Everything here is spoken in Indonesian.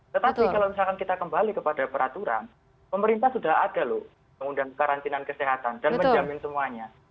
tetapi kalau misalkan kita kembali kepada peraturan pemerintah sudah ada loh pengundang karantinaan kesehatan dan menjamin semuanya